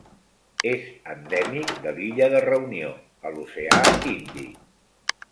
És endèmic de l'illa de Reunió, a l'oceà Índic.